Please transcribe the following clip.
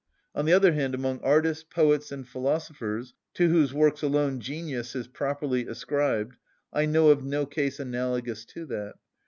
On the other hand, among artists, poets, and philosophers, to whose works alone genius is properly ascribed, I know of no case analogous to that.